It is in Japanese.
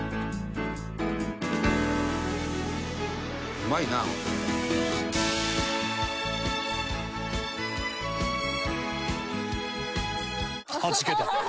「うまいな」はじけた。